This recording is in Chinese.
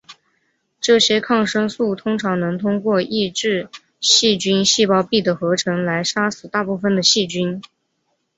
这些抗生素通常能通过抑制细菌细胞壁的合成来杀死大部分的细菌。